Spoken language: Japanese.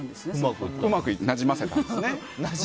うまくなじませたんですね。